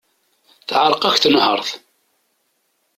Teεreq-ak tenhert.